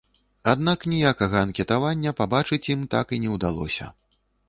Аднак ніякага анкетавання пабачыць ім так і не ўдалося.